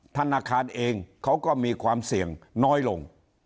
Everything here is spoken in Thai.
ธนาคารเองเขาก็มีความเสี่ยงน้อยลง